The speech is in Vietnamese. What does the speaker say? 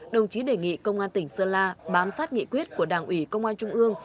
đồng chí đề nghị công an tỉnh sơn la bám sát nghị quyết của đảng ủy công an trung ương